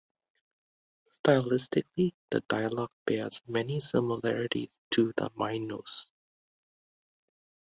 Stylistically, the dialogue bears many similarities to the "Minos".